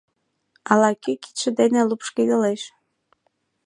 Ала-кӧ кидше дене лупшкедылеш.